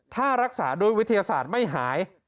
ถ้ารักษาด้วยวิทยาศาสตร์ไม่หาย